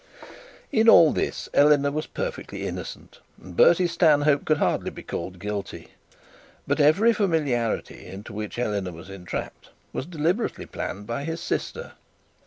In all this Eleanor was perfectly innocent, and Bertie Stanhope could hardly be called guilty. But every familiarity into which Eleanor was entrapped was deliberately planned by his sister.